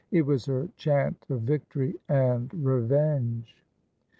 It was her chant of victory and revenge.